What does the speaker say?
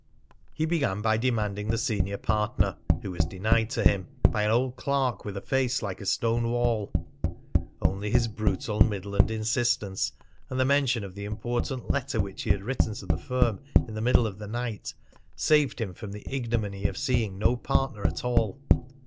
He began by demanding the senior partner, who was denied to him by an old clerk with a face like a stone wall. Only his brutal Midland insistence, and the mention of the important letter which he had written to the firm in the middle of the night, saved him from the ignominy of seeing no partner at all.